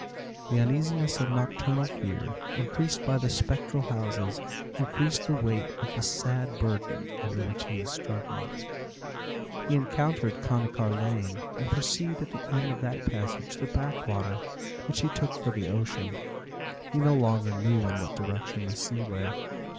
The uneasiness of nocturnal fear, increased by the spectral houses, increased the weight of the sad burden under which he was struggling. He entered Conycar Lane, and perceived at the end of that passage the Backwater, which he took for the ocean. He no longer knew in what direction the sea lay.